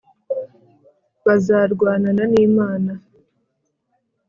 bazarwanana n`imana